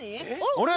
あれ。